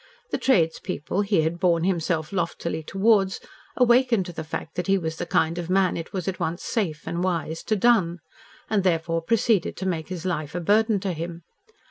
The tradespeople he had borne himself loftily towards awakened to the fact that he was the kind of man it was at once safe and wise to dun, and therefore proceeded to make his life a burden to him.